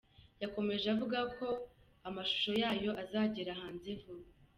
Yakomeje avuga ko amashusho yayo azagera hanze vuba.